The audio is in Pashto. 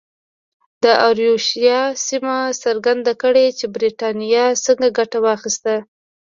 د ایروشیا سیمه څرګنده کړي چې برېټانیا څنګه ګټه واخیسته.